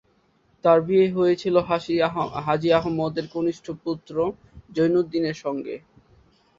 তাঁর বিয়ে হয়েছিল হাজী আহমদের কনিষ্ঠ পুত্র জৈনউদ্দীনের সঙ্গে।